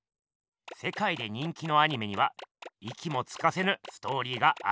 せかいで人気のアニメにはいきもつかせぬストーリーがありますよね。